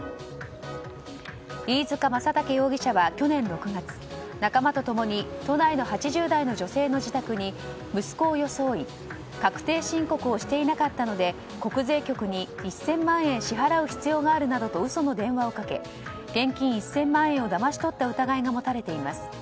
飯塚将虎容疑者は去年６月仲間と共に都内の８０代の女性の自宅に息子を装い確定申告をしていなかったので国税局に１０００万円支払う必要があるなどと嘘の電話をかけ現金１０００万円をだまし取った疑いが持たれています。